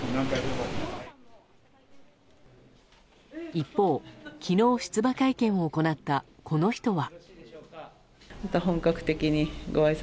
一方、昨日出馬会見を行ったこの人は。